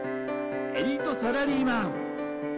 エリートサラリーマン。